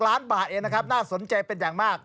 ล้านบาทเองนะครับน่าสนใจเป็นอย่างมาก